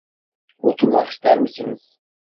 Oturmak ister misiniz?